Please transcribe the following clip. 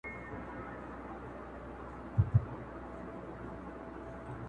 لاندي مځکه هره لوېشت ورته سقر دی!.